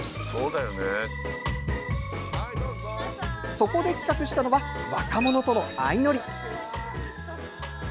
そこで企画したのは、若者との相乗り。